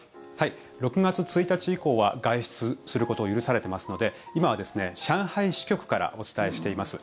６月１日以降は外出することを許されてますので今は上海支局からお伝えしています。